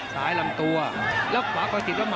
ซ้ายลำตัวแล้วควายไปถ็วปะ